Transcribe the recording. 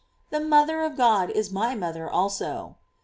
The mother of God is my mother also.